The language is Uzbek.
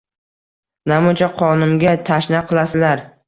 Namuncha qonimga tashna qilasizlar